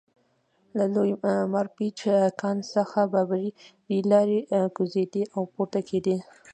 له لوی مارپیچ کان څخه باربري لارۍ کوزېدې او پورته کېدې